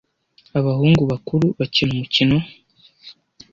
Abahungu bakuru bakina umukino.